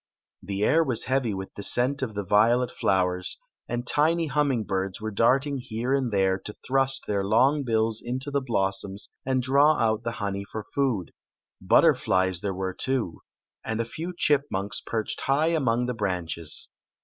The air was heavy with die scent of the violet flowers, and tiny humming birds were darting here and there to thrust their long bills into the blossoms and draw out the honey for food. Butterflies there were, too, and a few chipmunks perched high among the branches.